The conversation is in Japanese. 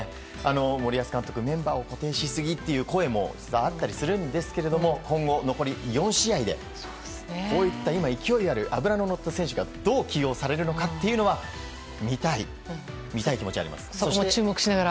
森保監督、メンバーを固定しすぎという声も、実はあったりするんですけれども、今後、残り４試合で、こういった、今勢いのある脂の乗った選手がどう起用されるのかっていうのは、そこも注目しながら。